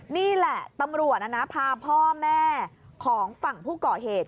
นี่แหละตำรวจพาพ่อแม่ของฝั่งผู้ก่อเหตุ